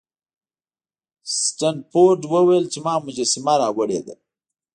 سنډفورډ وویل چې ما مجسمه راوړې ده.